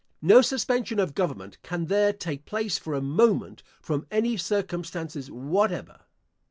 No suspension of government can there take place for a moment, from any circumstances whatever.